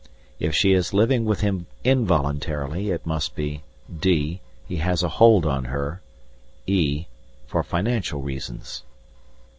If she is living with him involuntarily it must be: (d) He has a hold on her; (e) For financial reasons.